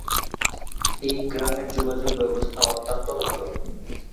এই গ্রামের যোগাযোগ ব্যবস্থা অত্যন্ত ভাল।